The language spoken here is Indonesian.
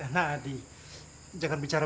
emang kagak sekolah tuh